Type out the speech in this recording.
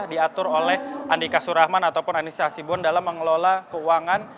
diatur oleh andika surahman ataupun anissa hasibuan dalam mengelola keuangan